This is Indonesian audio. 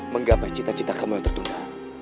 menggapai cita cita kamu yang tertunda